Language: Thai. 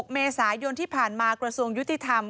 เมษายนที่ผ่านมากระทรวงยุติธรรม